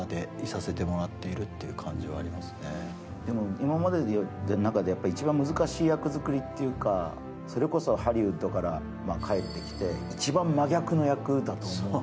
今までやっている中で一番難しい役作りというか、それこそハリウッドから帰ってきて、一番真逆の役だったんです。